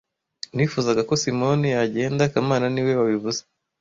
Nifuzaga ko Simoni yagenda kamana niwe wabivuze